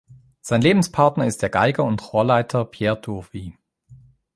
Sein Lebenspartner ist der Geiger und Chorleiter Pierre Tourville.